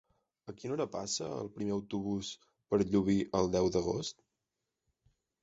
A quina hora passa el primer autobús per Llubí el deu d'agost?